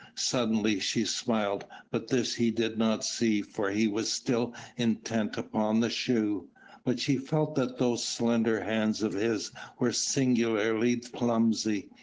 Suddenly she smiled. But this he did not see for he was still intent upon the shoe, but she felt that those slender hands of his were singularly clumsy.